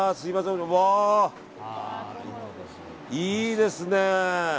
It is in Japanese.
いいですね。